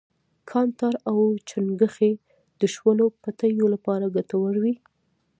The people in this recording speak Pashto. کانټار او چنگښې د شولو پټیو لپاره گټور وي.